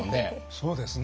そうですね。